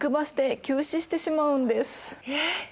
えっ！